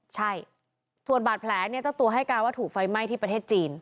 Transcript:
ใช่ส่วนบาดแผลเนี่ยเจ้าตัวให้การว่าถูกไฟไหม้ที่ประเทศจีน